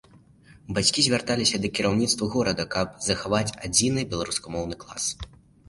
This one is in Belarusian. Бацькі звярталіся да кіраўніцтва горада, каб захаваць адзіны беларускамоўны клас.